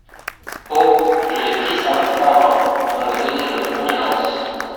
Oh ! je l'ai pris sans le prendre … pour me donner une contenance !